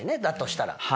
だとしたら。